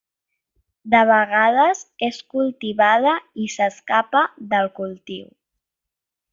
De vegades és cultivada i s'escapa del cultiu.